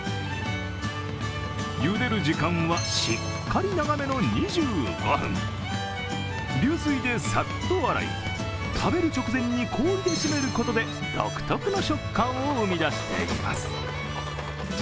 ゆでる時間は、しっかり長めの２５分流水でさっと洗い、食べる直前に氷で締めることで独特の食感を生み出しています。